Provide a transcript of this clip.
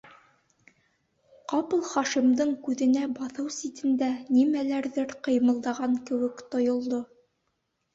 Ҡапыл Хашимдың күҙенә баҫыу ситендә нимәләрҙер ҡыймылдаған кеүек тойолдо.